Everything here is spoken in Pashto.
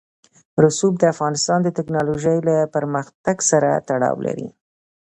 رسوب د افغانستان د تکنالوژۍ له پرمختګ سره تړاو لري.